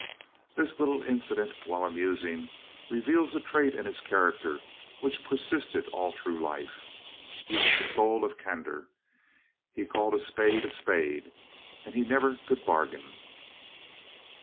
This little incident, while amusing, reveals a trait in his character which persisted all through life. He was the soul of candor. He called a spade a spade. And he never could bargain.